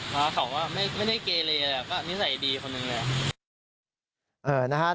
เมื่อนี่ใส่ดีคนนึงเลย